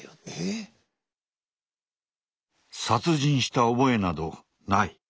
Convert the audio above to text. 殺人した覚えなどない。